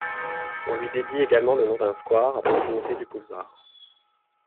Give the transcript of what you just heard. On lui dédie également le nom d'un square à proximité du boulevard.